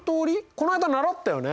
この間習ったよね？